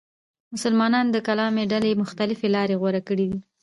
مسلمانانو کلامي ډلې مختلفې لارې غوره کړې دي.